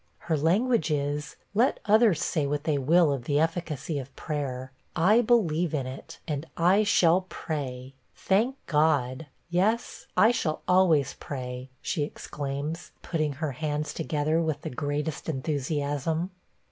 Her language is, 'Let others say what they will of the efficacy of prayer, I believe in it, and I shall pray. Thank God! Yes, I shall always pray,' she exclaims, putting her hands together with the greatest enthusiasm.